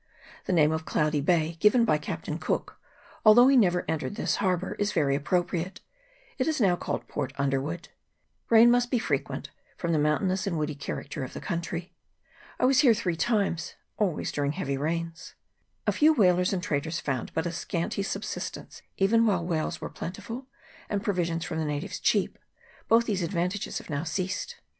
The name of Cloudy Bay, given by Captain Cook, although he never entered this harbour, is very appropriate : it is now called Port Underwood. Rain must be frequent, from the mountainous and woody character of the country. I was here three times, always during heavy rains. A few whalers and traders found but a scanty subsistence even while whales were plentiful and provisions from the natives cheap ; both these advantages have now ceased.